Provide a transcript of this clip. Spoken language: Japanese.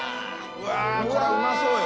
うわーこれうまそうよ。